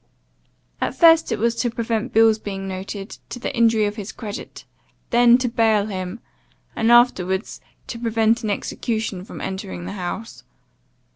At first it was to prevent bills being noted, to the injury of his credit; then to bail him; and afterwards to prevent an execution from entering the house.